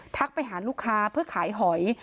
ไปหาลูกค้าเพื่อขายหอย